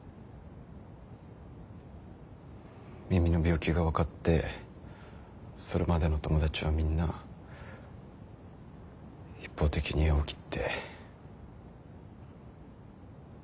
耳の病気が分かってそれまでの友達はみんな一方的に縁を切って。